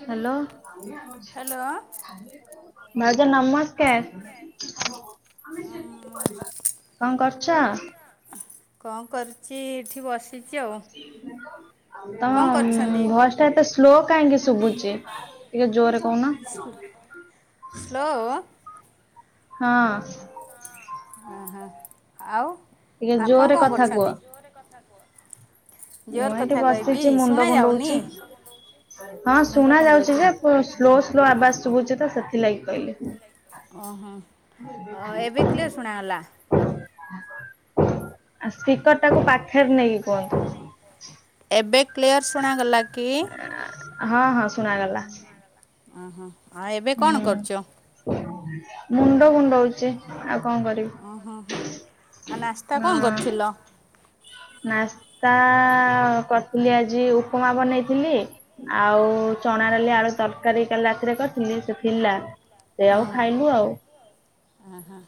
Hello. ଭାଉଜ ନମସ୍କାର। କଣ କରୁଛ? କଣ କରୁଛି ଏଇଠି ବ ତମ ଭଏସ ଟା ଏତେ ସ୍ଲୋ କାହିଁକି ଶୁଭୁଛି? ଟିକେ ଜୋରେ କହୁନ। ସ୍ଲୋ? ହଁ। ହ ହ ଆଉ ଆପଣ କଣ କରୁଛନ୍ତି? ମୁଁ ଏଇଠି ବସିଛି ମୁଣ୍ଡ କୁଣ୍ଡଉଛି। ହଁ ଶୁଣା ଯାଉଛି ଯେ ସ୍ଲୋ ସ୍ଲୋ ଆବାଜ ଶୁଭୁଛି ତ ସେଥିଲାଗି କହିଲି। ଆ ସ୍ପିକର ଟାକୁ ପାଖରେ ନେଇକି କୁହନ୍ତୁ। ଏବେ କ୍ଲିୟର୍ ଶୁଣାଗଲା କି? ହଁ ହଁ ଶୁଣାଗଲା। ଓହୋ ଆଉ ଏବେ କଣ କରୁଛ? ମୁଣ୍ଡ କୁଣ୍ଡଉଛି ଆଉ। କଣ କରିବି ନା? ନାସ୍ତା କରିଥିଲି ଆଜି ଉପମା ବନେଇଥିଲି ଆଉ। ଚଣା ଲି ଆଳୁ ତରକାରୀ କାଲି ରାତିରେ କରିଥିଲି ସେ ଥିଲା। ସେ ଆଉ ଖାଇଲୁ ଆଉ ଓ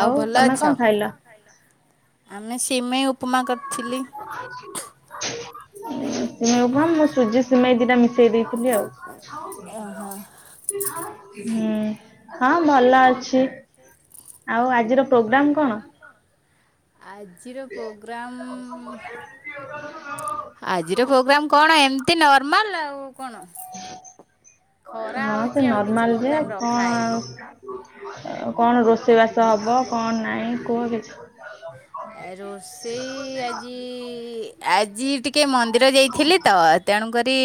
ଆଉ ଭଲ ଅଛ? ଆମେ ମୁଁ ସୁଜି ସିମେଇ ଦିଟା ମିଶେଇ ଦେଇଥିଲି ଆଉ। ହୁଁ ହଁ ଭଲ ଅଛି, ଆଉ ଆଜିର ଆଜିର ପ୍ରୋଗ୍ରାମ [unintelligible] ଏମିତି ନର୍ମାଲ୍ ଆଉ କଣ ଖରା ହଉଛି ଆଉ କିଛି ପ୍ରୋଗ୍ରାମ୍ ରଖାହେଇନି। କଣ ରୋଷେଇ ବାସ ହବ କଣ ନାଇଁ କୁହ କିଛି? ଏ ରୋଷେଇ ଆଜି ଆଜି ଟି କିଏ ମନ୍ଦିର ଯାଇଥିଲେ ତ ତେଣୁକରି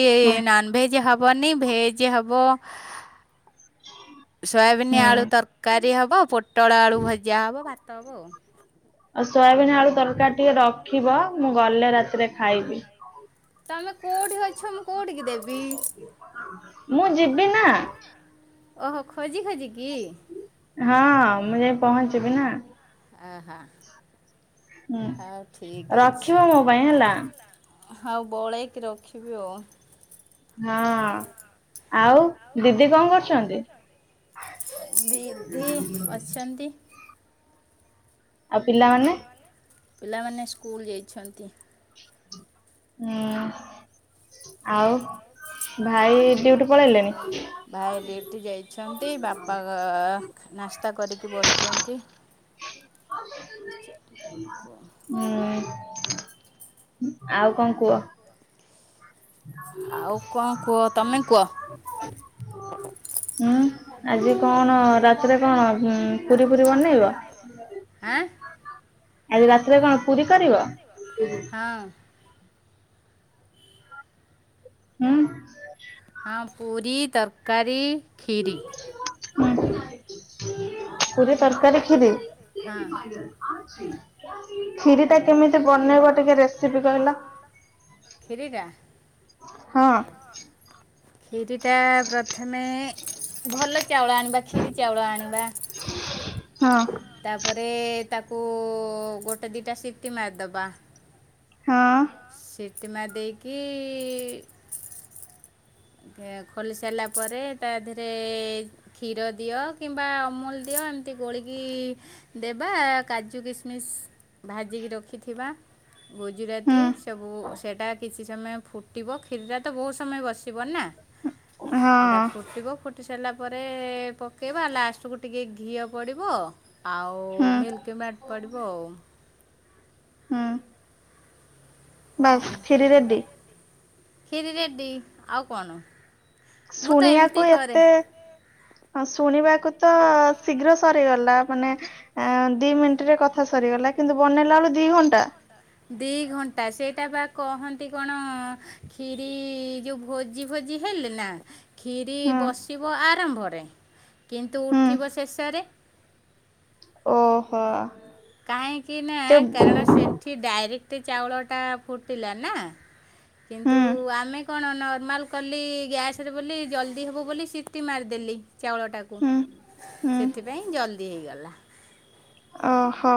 ନନଭେଜ୍ ହବ ହବନି ଭେଜ୍ ହବ ସୋୟାବିନି ଆଳୁ ତରକାରୀ ହବ ପୋଟଳ ଆଳୁ ଭଜା ହବ ଭାତ୍ ତ ହବ ଆଉ। ସୋୟାବିିନ ଆଳୁ ତରକାରି ଟିକେ ରଖିବ, ମୁଁ ଗଲେ ରାତିରେ ଖାଇବି। ମୁଁ ଯିବି ନା। ଓ ହୋ ଖୋଜି ଖୋଜି କି? ହଁ ମୁଁ ଯାଇ ପହଞ୍ଚିବି ନା। ଆହା। ହୁଁ ରଖିବ ମୋ ପାଇଁ ହେଲା। ହଉ ବଳେଇକି ରଖିବି ଆଉ। ହଁ ଆଉ ଦିଦି କ'ଣ କରୁଛନ୍ତି? ଦିଦି ଅଛନ୍ତି। ଆଉ ପିଲାମାନେ? ପିଲାମାନେ ସ୍କୁଲ ଯାଇଛନ୍ତି। ହୁଁ ଆଉ ଭାଇ ଡ୍ୟୁଟିି ପଳେଇଲେଣି? ଭାଇ ଡୁଟି ଯାଇଛନ୍ତି ବାପା ଅ ନାସ୍ତା କରିକି ବସିଛନ୍ତି। ହୁଁ। ଆଉ କଣ କୁହ? ହୁଁ? ଆଜି କଣ ରାତିରେ କଣ ପୁରୀ ପୁରୀ ବନେଇବ? ଆଁ? ଆଜି ରାତିରେ କ'ଣ ପୁରୀ କରିବ? ହଁ। ହୁଁ? ହଁ ପୁରୀ, ତରକାରୀ ହୁଁ। ପୁରୀ, ତରକାରୀ, ଖିରି। ଖିରି ଟା କେମିତି ବନେଇବ ଟିକେ ରେସିପି କହିଲ। ହଁ। ଖିରି ଟା ପ୍ରଥମେ ଭଲ ଚାଉଳ ଆଣିବା ଖିରି ଚାଉଳ ଆଣିବା। ତାପରେ ତାକୁ ଗୋଟେ ଦିଟା ସିଟି ମାରିଦବା। ହଁ। ସିଟି ମାରଦେଇକି ଫେର୍ ଖୋଲି ସାରିଲା ପରେ ତା ଧେରେ କ୍ଷୀର ଦିଅ କିମ୍ବା ଅମୁଲ ଦିଅ ତ ଏମିତି ଗୋଳିକି ଦେବା କାଜୁକିସମିସ ଭାଜିକି ରଖିଥିବା। ଗୁଜୁରାତି ସବୁ ସେଟା କିଛି ସମୟ ଫୁଟିବ ଖିରିଟା ତ ବହୁତ ସମୟ ବସ୍ ବନା ଏଇଟା ଫୁଟିବ ଫୁଟି ଫୁଟି ସାରିଲା ପରେ ପକେଇବା ଲାଷ୍ଟକୁ ଟିକେ ଘିଅ ପଡ଼ିବ। ଆଉ ମିଲ୍କ୍ ମେଡ୍ ପଡ଼ିବ ଆଉ। ହଁ। ବାସ୍ ଖିରି ରେଡି। ଖିରି ରେଡି ଆଉ କଣ? ଶୁଣିବାକୁ ଏତେ ହଁ ଶୁଣିବାକୁ ତ ଶୀଘ୍ର ସରିଗଲା ମାନେ, ଦି ମିନିଟରେ କଥା ସରିଗଲା। କିନ୍ତୁ ବନେଇଲା ବେଳକୁ ଦି ଘଣ୍ଟା। ଦି ଘଣ୍ଟା ସେଇଟା ବା କହନ୍ତି କଣ କ୍ଷୀରି ଯୋଉ ଭୋଜି ଫୋ ଭୋଜି ହେଲେ ନା, କ୍ଷୀରି ବସିବ ଆରମ୍ଭରେ କିନ୍ତୁ ଉଠିବ ଶେଷରେ। ହ। କାହିଁକି ନା କାରଣ ସେଠି ଡାଇରେକ୍ଟ ଚାଉଳଟା ଫୁଟିଲା ନା, କିନ୍ତୁ ଆମେ କଣ ନ ମାଲ କଲି ଗ୍ୟାସରେ ବୋଲି ଜଲ୍ଦି ହେବ ବୋଲି, ସିଟି ମାରିଦେଲି। ଚାଉଳଟାକୁ, ସେଥିପାଇଁ ଜଲଦି ହେଇଗଲା। ଓହୋ।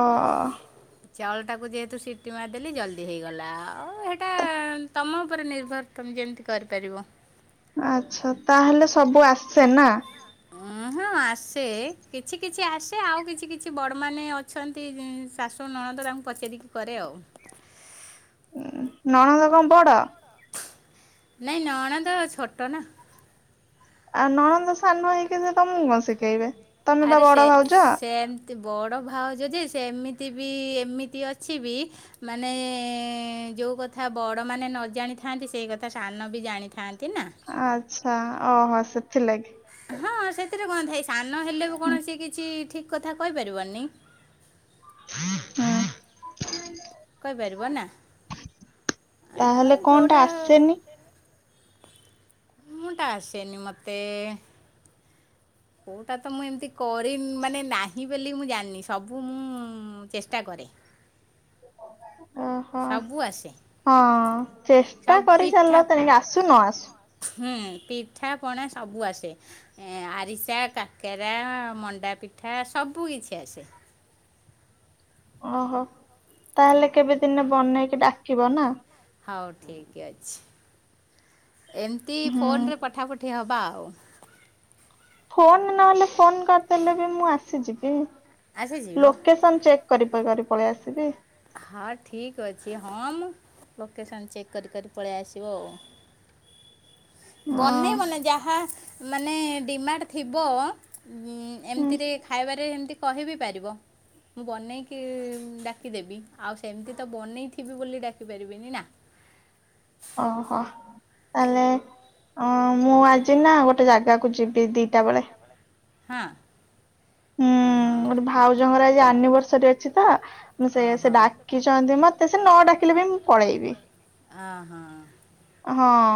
ଚାଉଳଟାକୁ ଯେହେତୁ ସିଟି ମାରିଦେଲି ଜଲ୍ଦି ହେଇଗଲା। ଆଉ ସେଟା ତମ ଉପରେ ନିର୍ଭର ତମେ ଯେମତି କରିପାରିବ। ଆଚ୍ଛା ତାହେଲେ ସବୁ ଆସେ ନା। ଉ ହଁ ଆ ଆସେ କିଛି କିଛି ଆସେ ଆଉ କିଛି କିଛି ବଡ ମାନେ ଅଛନ୍ତି, ଉଁ ଶାଶୁ ନଣନ୍ଦ ତାଙ୍କୁ ପଚାରିକି କରେ ଆଉ। ନଣନ୍ଦ କଣ ବଡ? ନାଇଁ ନଣନ୍ଦ ଛୋଟ ନା। ଆଉ ନଣନ୍ଦ ସାନ ହେଇକି ସେ ତମକୁ କଣ ଶିଖେଇବେ? ଆରେ ସେ ସେନ୍ ଏତେ ବଡ଼ ଭାଉଜ ଯେ, ସେ ଏମିତି ବି ଏମିତି ଅଛି ବି ମାନେ ଯୋଉ କଥା ବଡ ମାନେ ନ ଜାଣିଥାନ୍ତି ସେଇ କଥା ସାନ ବି ଜାଣିଥାନ୍ତି ନା। ଆଛା, ଓହୋ ସେଥିଲାଗି। ହଁ ସେଥିରେ କଣ ଥାଏ, ସାନ ହେଲେ ବି କଣ ସ କିଛି ଠିକ କଥା କହିପାରିବନି। ହୁଁ। ତାହେଲେ କଣ ଟା ଆସେନି? ମୁଁ ତା ଆସେନି ମତେ। କୋଉଟା ତ ମୁଁ ଏମିତି କରିନି ମାନେ ନାହିଁ ବୋଲି ମୁଁ ଜାଣିନି। ସବୁ ମୁଁ ଚେଷ୍ଟା କରେ। [unintelligible] ସବୁ ଆସେ। ଚେଷ୍ଟା କରିଚାଲ, ତେଣିକି ଆସୁ ନ ଆସୁ। ପିଠା ପଣା ସବୁ ଆସେ, ଏଁ ଆରିସା, କାକେରା, ମଣ୍ଡା ପିଠା, ସବ ସବୁ କିଛି ଆସେ। ଓହୋ ତାହେଲେ କେବେ ଦିନେ ବନେଇକି ଡାକିବ ନା ହଉ ଠିକ ଅଛି, ଏମିତି ଫୋନ ରେ ପଠା ପଠି ହବା ଆଉ। ହଉ। ଫୋନ ନହେଲେ ଫୋନ କରିଦେଲେ ବି ମୁଁ ଆସିଯିବି, ଲୋକେସନ ଚେକ୍ କରି କରି କରି ପଳେଇ ଆସି ହଁ ଠିକ ଅଛି ହଁ ମ ଲୋକେସନ ଚେକ୍ କରି କରି ପଳେଇ ଆସିବ ଆଉ। ବନେଇ ବନି ଯାହା ମାନେ ଡିମାଣ୍ଡ ଥିବ ଏମିତିରେ ଖାଇବାରେ ଏମତି କହିବି ପାରିବ। ମୁଁ ବନେଇକି ଡାକିଦେବି ଆଉ ସେମିତି ତ ବନେଇ ଥିବି ବୋଲି ଡାକି ପାରିବିନି ନା। [inaudible] ଓହୋ! ତାହେଲେ ଅ ମୁଁ ଆଜି ନା ଗୋଟେ ଜାଗାକୁ ଯିବି ଦିଟା ବେଳେ। ହଁ ଅଁ। ଗୋଟେ ଭାଉଜଙ୍କର ଆଜି ଆନିଭର୍ସରୀ ଅଛି ତ, ସେ ସେ ଡାକିଛନ୍ତି ମତେ ସେ ନ ଡାକି ମୁଁ ପଳେଇବି। ହଁ ହଁ।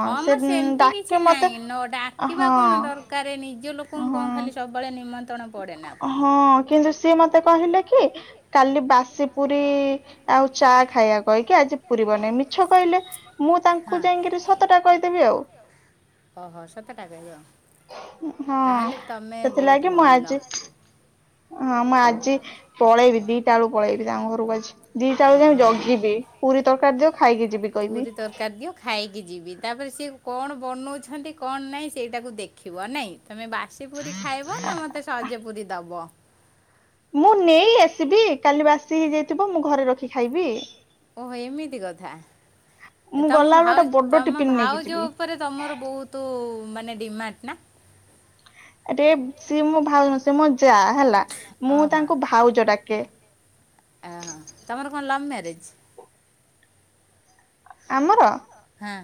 ହଁ ମଁ ସେମିତି କିଛି ନାହିଁ ନ ଡାକିବା କଣ ଦରକାର ନି ଜିଉ ଲୋକଙ୍କୁ କଣ ଖାଲି ସବୁବେଳେ ନିମାନ୍ତ ହଁ କିନ୍ତୁ ସିଏ ମତେ ମତେ କହିଲେ କି କାଲି ବାସି ପୁରୀ ଆଉ ଚା ଖାଇବା କହିକି ଆଜି ପୁରୀ ବନେଇ ମିଛ କହିଲେ ମୁଁ ତାଙ୍କୁ ଯାଇକିରି ସତଟା କହିଦେବି ଆଉ। ଓହୋ ସତଟା କହିଲ ତାହେଲେ ତମେ ବହୁତ ଭଲ। ହ ମୁ ଆଜି ପଳେଇବି ଦିଟା ବେଳୁ ପଳେଇବି ତାଙ୍କ ଘରକୁ ଆଜି। ଦିଟା ବଳ ଯାଏ ଜଗିବି ପୁରୀ ତରକାରୀ ଦିଅ ଖାଇକି ଯିବି କହିବି। ତାପରେ ସିଏ କଣ ବନାଉଛନ୍ତି କଣ ନାହିଁ ସେଇଟାକୁ ଦେଖିବ ନାହିଁ ତମେ ବାସି ପୁରୀ ଖାଇବ ନା ମୋତେ ସଜ ପୁରୀ ଦେବ? ମୁଁ ନେଇ ଆସିବି କାଲି ବାସି ହେଇଯାଇଥିବ ମୁଁ ଘରେ ରଖି ଖାଇବି। ଓହୋ ଏମିତି କଥା। ତମ ଭାଉ ତମ ଭାଉଜ ଉପରେ ତମର ବହୁତ ମାନେ ଡିମାଟ ନା ଆଟିଏ ସିଏ ମୋ ଭାଉନ ସେ ମୋ ଯା ହେଲା ମୁଁ ତାଙ୍କୁ ଭାଉଜ ଡାକେ। ଅହ ତମର କଣ ଲାଭ ମ୍ୟାରେଜ? ଆମର? ହଁ।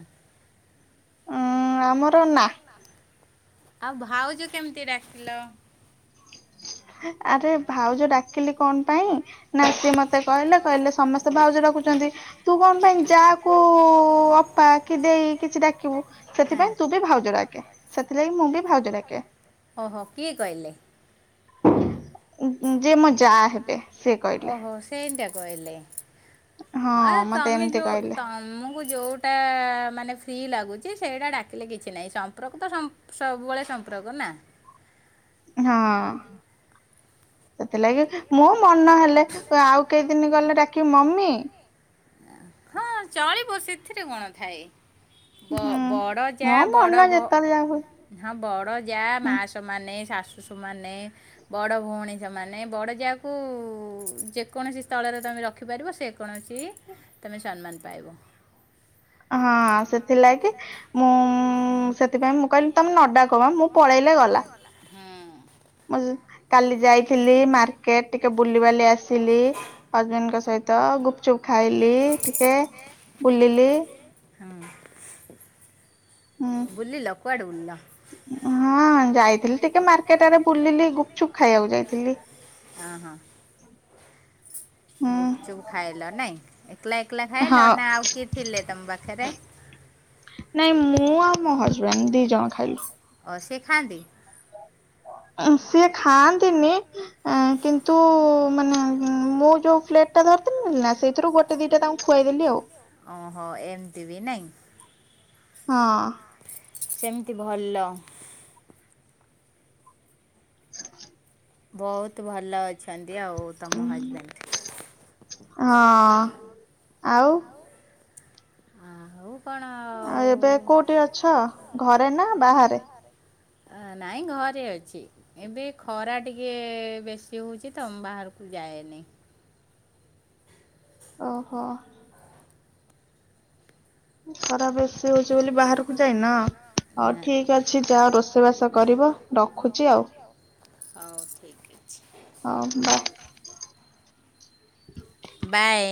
ହଁ ଆମର ନା। ଆଉ ଭାଉଜୋ କେମିତି ଡାକିଲ? ଆରେ ଭାଉଜ ଡାକିଲି କଣ ପାଇଁ ନା ସେ ମତେ କହିଲେ କହିଲେ ସମସ୍ତେ ଭାଉଜ ଡାକୁଛନ୍ତି ତୁ କଣ ପାଇଁ ଯାକୁ ଅପ ପା କି ଦେଇ କିଛି ଡାକିବୁ ସେଥିପାଇଁ ତୁ ବି ଭାଉଜ ଡାକେ ସେଥିଲାଗି ମୁଁ ବି ଭାଉଜ ଡାକେ। ଓହ କିଏ କହିଲେ? ଯେ ମୁଁ ଯା ହେବେ ସେ କହିଲେ। କହିଲେ ହଁ ତମେ ଯୋଉ ତମକୁ ଯୋଉଟା ମାନେ ଫି ଲାଗୁଛି ସେଇଟା ଡାକିଲେ କିଛି ନାହିଁ ସମ୍ପର୍କ ତ ସବୁବେଳେ ସମ୍ପର୍କ ନା। ହଁ। ସେଥିଲାଗି ମୁଁ ମନ ହେଲେ ଆଉ କେଇ ଦିନ ଗଲେ ଡାକିବ ମମି ହଁ ଚଳିବ ସେଥିରେ କଣ ଥାଏ। ବ ବଡ ଜା ବଡ ଭ ହଁ ବଡ ଯା ମା ସମାନ ଶାଶୁ ଶିଶୁମାନେ ବଡ଼ ଭଉଣୀ ସେମାନେ ବଡ଼ ଯାହାକୁ ଯେକୌଣସି ସ୍ଥଳରେ ତାଙ୍କ ତମେ ରଖିପାରିବ ସେ କୌଣସି ତୁମେ ସମ୍ମାନ ପାଇବ। ହଁ ସେଥିଲାଗି ମୁଁ ସେଥିପାଇଁ ମୁଁ କହିଲି ତମେ ନଡା କମା ମୁଁ ପଳେଇଲେ ଗଲା। ମୁଁ କାଲି ଯାଇଥିଲି ମାର୍କେଟ ଟିକେ ବୁଲିବାଲି ଆସି ଆସିଲି ହଜବେଣ୍ଡଙ୍କ ସହିତ ଗୁପଚୁପ୍ ଖାଇଲି ଟିକେ ବୁଲିଲି ବୁଲିଲ କୁଆଡ ବୁଲିଲ୍? ହଁ ଯାଇଥିଲି ଟିକେ ମାର୍କେଟ ଆରେ ବୁଲିଲି ଗୁପଚୁପ ଖାଇବାକୁ ଯାଇଥିଲି। ହଁ ହଁ। ଗୁପଚୁପ ଖାଇଲ ନାଇଁ ଏକଲା ଏକଲା ଖାଇଲ ନା ଆଉ କିଏ ଥିଲେ ତମ ପାଖରେ। [inaudible] ନାଇଁ ମୁଁ ଆଉ ମୋ ହଜବେଣ୍ଡ ଦି ଜଣ ଖାଇଲୁ। ଅ ଶିଖାନ୍ତି। ସିଏ ଖାଆନ୍ତିନି କିନ୍ତୁ ମାନେ ମୁଁ ଯୋଉ ଫ୍ଲେଟ ଟା ଧର ନା ସେଇଥିରୁ ଗୋଟେ ଦିଟା ତାଙ୍କୁ ଖୁଆଇଦେଲି ଆଉ। ଓଁହୋ ଏମିତି ବି ନାହିଁ ହଁ। ସେମିତି ଭଲ [unintelligible] ବହୁତ ଭଲ ଅଛନ୍ତି ଆଉ ତମ ହଜବେଣ୍ଡ। ଆଉ ଅ ହଉ ଆଉ ଏବେ କୋଉଠି ଅଛ ଘରେ ନା ବାହାରେ ଅ ନାଇଁ ଘରେ ଅଛି ଏବେ ଖରା ଟିକେ ବେଶୀ ହଉଛି ତମ ବାହାରକୁ ଯାଏନି ଓହୋ। ଖରା ବେଶୀ ହଉଛି ବୋଲି ବାହାରକୁ ଯାଇଏନା ନାଉ ଠିକ ଅଛି ଯାହା ରୋଷେଇଗ କରିବ ରଖୁଛି ଆଉ ହଉ ଠିକ୍ ହଁ ବା [inaudible] ହ [unintelligible] ବାଏ।